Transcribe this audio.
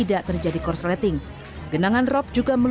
saya jalan tadi segini pak